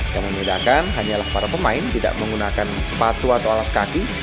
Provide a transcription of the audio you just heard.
yang membedakan hanyalah para pemain tidak menggunakan sepatu atau alas kaki